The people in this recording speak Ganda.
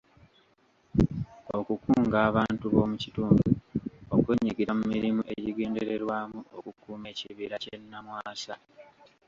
Okukunga abantu b'omu kitundu okwenyigira mu mirimu egigendererwamu okukuuma ekibira ky'e Namwasa.